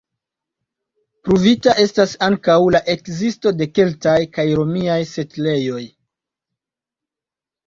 Pruvita estas ankaŭ la ekzisto de keltaj kaj romiaj setlejoj.